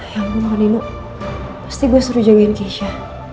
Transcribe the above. ya allah nino pasti gue suruh jagain keisha